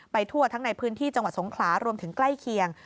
ทั่วทั้งในพื้นที่จังหวัดสงขลารวมถึงใกล้เคียง